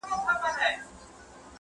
زه چي له خزان سره ژړېږم ته به نه ژاړې-